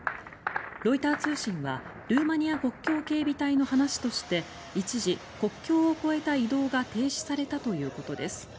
ロイター通信はルーマニア国境警備隊の話として一時、国境を越えた移動が停止されたということです。